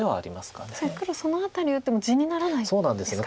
確かに黒その辺り打っても地にならないんですか。